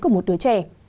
của một đứa trẻ